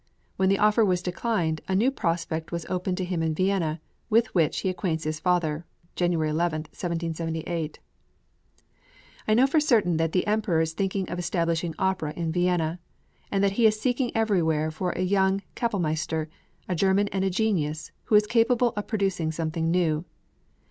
When the offer was declined, a new prospect was opened to him in Vienna, with which he acquaints his father (January 11, 1778): I know for certain that the Emperor is thinking of establishing opera in Vienna, and that he is seeking everywhere for a young kapellmeister, a German and a genius, who is capable of producing something new.